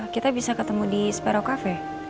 kita bisa ketemu di sparro cafe